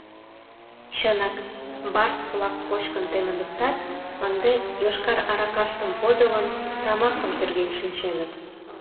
Чынак, барс-влак кочкын темынытат, ынде, йошкар аракаштым подылын, тамакым тӱрген шинченыт.